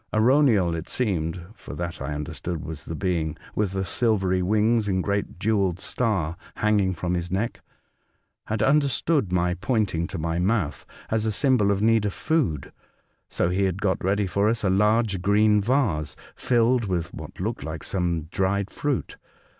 Arauniel, it seemed (for that, I understood, was the being with the silvery wings and great jewelled star hanging from his neck), had understood my pointing to my mouth as a symbol of need of food, so he had got ready for us a large green vase filled with what looked like some dried fruit.